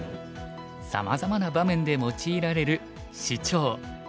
さまざまな場面で用いられるシチョウ。